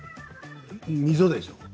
溝でしょう？